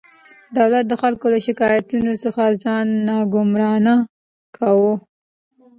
دولت د خلکو له شکایتونو څخه ځان ناګمانه کاوه.